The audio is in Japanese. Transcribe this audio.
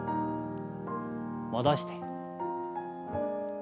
戻して。